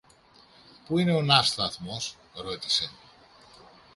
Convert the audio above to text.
Πού είναι ο ναύσταθμος; ρώτησε.